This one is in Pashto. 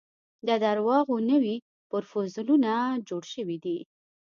د درواغو نوي پرفوزلونه جوړ شوي دي.